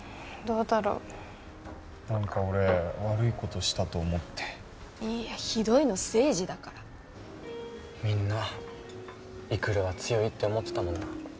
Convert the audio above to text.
どうだろう何か俺悪いことしたと思っていやひどいの誠二だからみんな育は強いって思ってたもんな